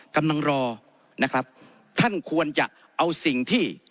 กำลังรอนะครับท่านควรจะเอาสิ่งที่